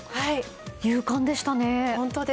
勇敢でしたね。